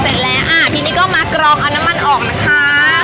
เสร็จแล้วอ่าทีนี้ก็มากรองเอาน้ำมันออกนะคะ